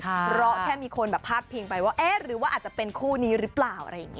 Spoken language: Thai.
เพราะแค่มีคนแบบพาดพิงไปว่าเอ๊ะหรือว่าอาจจะเป็นคู่นี้หรือเปล่าอะไรอย่างนี้